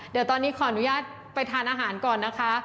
เดี๋ยวตอนนี้ขออนุญาตไปทานอาหารก่อนนะคะ